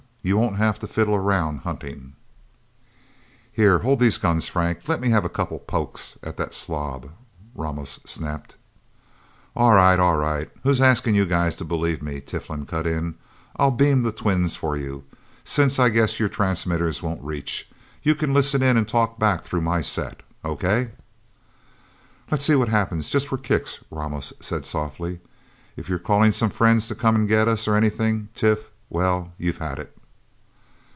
You won't have to fiddle around, hunting." "Here, hold these guns, Frank. Lemme have a couple of pokes at the slob," Ramos snapped. "Aw right, aw right who's asking you guys to believe me?" Tiflin cut in. "I'll beam the twins for you since I'd guess your transmitter won't reach. You can listen in, and talk back through my set. Okay?" "Let's see what happens just for kicks," Ramos said softly. "If you're calling some friends to come and get us, or anything, Tif well, you've had it!"